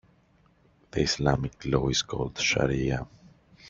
The Islamic law is called shariah.